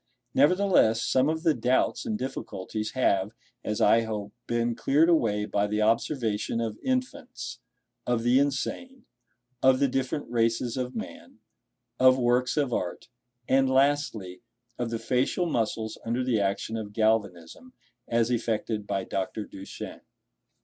Nevertheless, some of the doubts and difficulties have, as I hope, been cleared away by the observation of infants,—of the insane,—of the different races of man,—of works of art,—and lastly, of the facial muscles under the action of galvanism, as effected by Dr. Duchenne.